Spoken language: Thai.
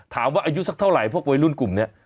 อายุสักเท่าไหร่พวกวัยรุ่นกลุ่มนี้